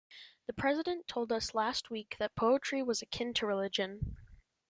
The President told us last week that poetry was akin to religion.